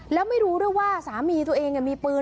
แล้วไม่รู้ด้วยว่าสามีตัวเองมีปืน